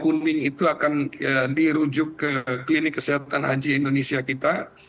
kuning itu akan dirujuk ke klinik kesehatan haji indonesia kita